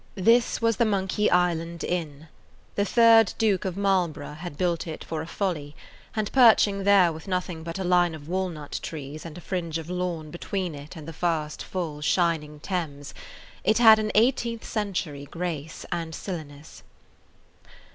This was the Monkey Island Inn. The third Duke of Marlborough had built it for a "folly," and perching there with nothing but a line of walnut trees and a fringe of lawn between it and the fast, full, shining Thames, it had an eighteenth century grace and silliness.